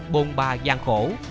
bồn bà gian khổ